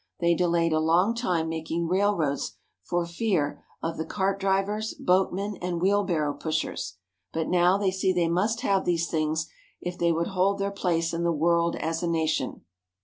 They delayed a long time making railroads for fear of the cart 176 FOREIGN COLONIES IN CHINA Chinese Schoolboys. drivers, boatmen, and wheelbarrow pushers ; but now they see they must have these things if they would hold their place in the world as a nation.